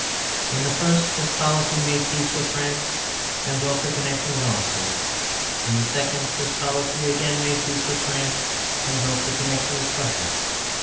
In the first his policy made peace with France, and broke the connection with Austria. In the second his policy again made peace with France, and broke the connection with Prussia.